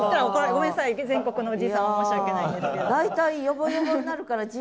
ごめんなさい全国のおじい様申し訳ないです。